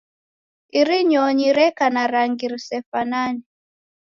Iri nyonyi reka na rangi risefanane.